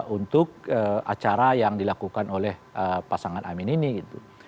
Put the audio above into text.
untuk acara yang dilakukan oleh pasangan amin ini gitu